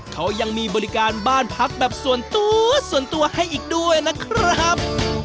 เขายังมีบริการบ้านพักแบบส่วนตัวส่วนตัวให้อีกด้วยนะครับ